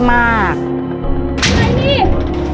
ไม่รอด